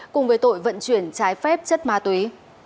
cùng với tội vận chuyển trái phép chất ma túy